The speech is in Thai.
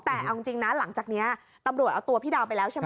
แต่เอาจริงนะหลังจากนี้ตำรวจเอาตัวพี่ดาวไปแล้วใช่ไหม